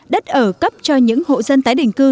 đất ở cấp cho những hộ dân tái định cư